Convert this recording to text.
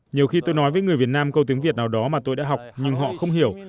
nhiều khi tôi nói với người việt nam câu tiếng việt nào đó mà tôi đã học nhưng họ không hiểu